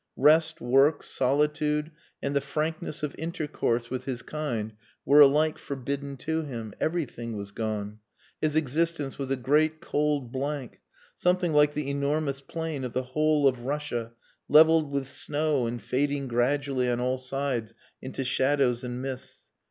Rest, work, solitude, and the frankness of intercourse with his kind were alike forbidden to him. Everything was gone. His existence was a great cold blank, something like the enormous plain of the whole of Russia levelled with snow and fading gradually on all sides into shadows and mists.